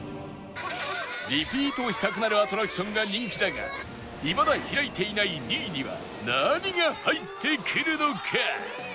リピートしたくなるアトラクションが人気だがいまだ開いていない２位には何が入ってくるのか？